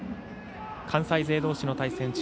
関西勢どうしの対戦。